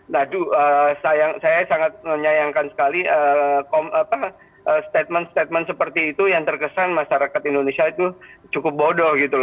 nah saya sangat menyayangkan sekali statement statement seperti itu yang terkesan masyarakat indonesia itu cukup bodoh gitu loh